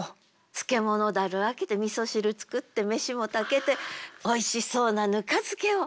漬物だる開けてみそ汁作って飯も炊けておいしそうな糠漬けを。